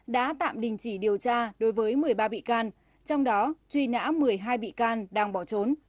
đã tạm đình chỉ điều tra đối với một mươi ba bị can trong đó truy nã một mươi hai bị can đang bỏ trốn